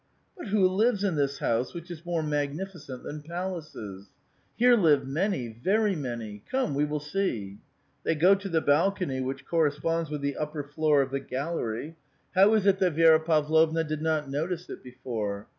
But who lives in this house which is more magniflcent than palaces? " Here live many, very many. Come, we will see." They go to the balcony which corresponds with the upper floor of the gallery. How is it that Vi6ra Pavlovna did not notice it before